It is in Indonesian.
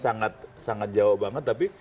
sangat sangat jawa banget tapi